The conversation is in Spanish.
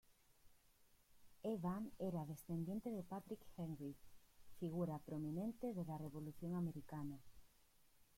Evan era descendiente de Patrick Henry, figura prominente en la Revolución americana.